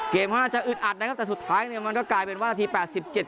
เกมเขาอาจจะอึดอัดนะครับแต่สุดท้ายมันก็กลายเป็นว่าราคาที๘๗